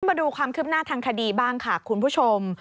มาดูความคืบหน้าทางคดีบ้างค่ะคุณผู้ชม